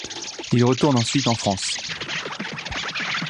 Il retourne ensuite en France.